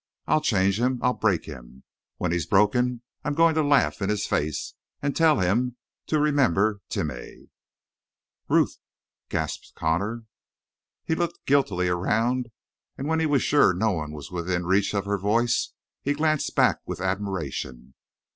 I'll change him. I'll break him. When he's broken I'm going to laugh in his face and tell him to remember Timeh!" "Ruth!" gasped Connor. He looked guiltily around, and when he was sure no one was within reach of her voice, he glanced back with admiration.